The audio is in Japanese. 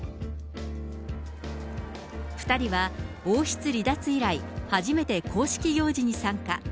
２人は王室離脱以来、初めて公式行事に参加。